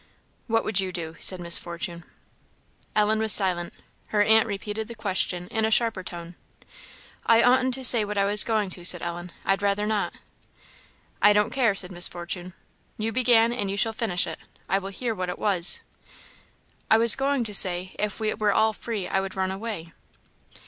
"What would you do?" said Miss Fortune. Ellen was silent. Her aunt repeated the question in a sharper tone. "I oughtn't to say what I was going to," said Ellen "I'd rather not." "I don't care," said Miss Fortune; "you began, and you shall finish it. I will hear what it was." "I was going to say, if we were all free I would run away."